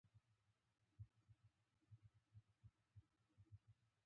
اقتصادي او اجتماعي شورا شته.